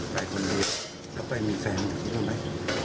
ไปคนเดียวก็ไปมีแฟนอยู่หรือไม่